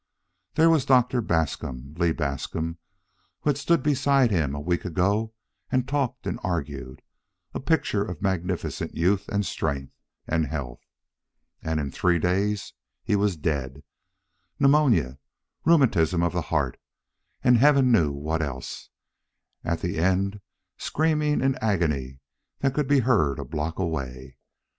There was Doctor Bascom, Lee Bascom who had stood beside him a week ago and talked and argued, a picture of magnificent youth, and strength, and health. And in three days he was dead pneumonia, rheumatism of the heart, and heaven knew what else at the end screaming in agony that could be heard a block away.